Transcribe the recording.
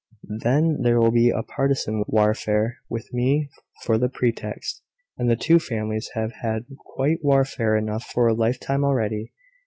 Then there will be a partisan warfare, with me for the pretext, and the two families have had quite warfare enough for a lifetime already.